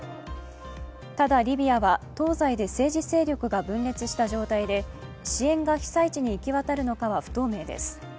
ただリビアは東西で政治勢力が分裂した状態で支援が被災地に行き渡るのかは不透明です。